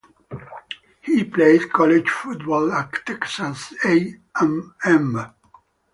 He played college football at Texas A and M.